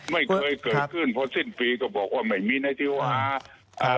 ไม่เคยเกิดขึ้นเพราะสิ้นปีก็บอกว่าไม่มีในที่ว่า